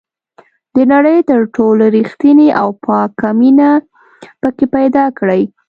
د نړۍ تر ټولو ریښتینې او پاکه مینه پکې پیدا کړئ.